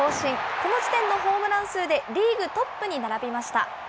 この時点のホームラン数でリーグトップに並びました。